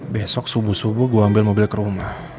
besok subuh subuh gue ambil mobil ke rumah